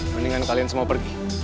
mendingan kalian semua pergi